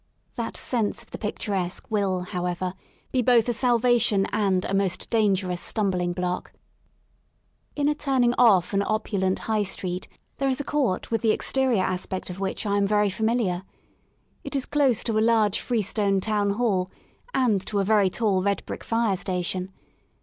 That sense of the picturesque will, however, be both a salvation and a most dangerous stumbling block. In a turning off an opulent High Street, there is a court with the exterior aspect of which I am very familiar. It is close to a large freestone Town Hall and to a very tall red brick Fire Station.